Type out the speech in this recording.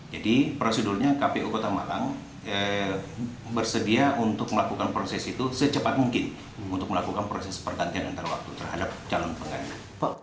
jadi prosedurnya kpu kota malang bersedia untuk melakukan proses itu secepat mungkin untuk melakukan proses pergantian antar waktu terhadap calon penggantian